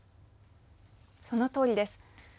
そのとおりです。